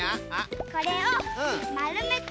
これをまるめて。